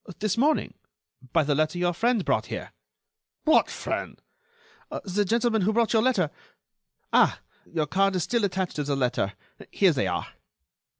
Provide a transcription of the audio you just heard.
"This morning, by the letter your friend brought here." "What friend?" "The gentleman who brought your letter.... Ah! your card is still attached to the letter. Here they are."